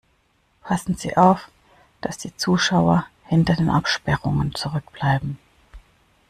Passen Sie auf, dass die Zuschauer hinter den Absperrungen zurückbleiben.